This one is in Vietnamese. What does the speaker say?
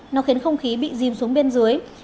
nó khiến không khí bị dìm xuống bên dưới